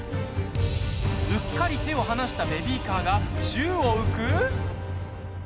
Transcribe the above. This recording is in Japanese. うっかり手を離したベビーカーが宙を浮く？